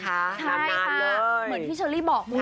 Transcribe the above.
ใช่ค่ะเหมือนที่เชอรี่บอกเลย